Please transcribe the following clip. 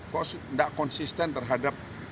kok tidak konsisten terhadap